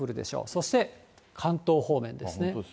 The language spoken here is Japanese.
そして関東方面ですね。